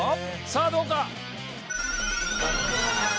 さあどうか？